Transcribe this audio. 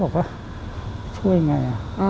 ผมก็บอกว่าช่วยยังไง